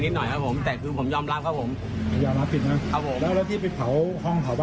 นี่ค่ะไม่กลัวความผิดไม่กลัวถูกดำเนินคดีด้วยคุณผู้ชมค่ะ